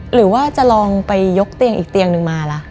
หรือว่าจะลองไปยกเตียงอีกเตียงนึงมาล่ะ